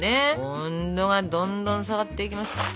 温度がどんどん下がっていきます。